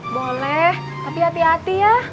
boleh tapi hati hati ya